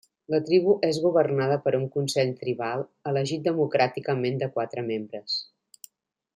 La tribu és governada per un consell tribal elegit democràticament de quatre membres.